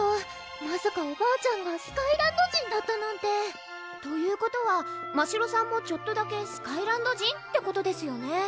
まさかおばあちゃんがスカイランド人だったなんてということはましろさんもちょっとだけスカイランド人ってことですよね